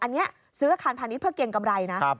อันนี้ซื้ออาคารพาณิชยเพื่อเกรงกำไรนะ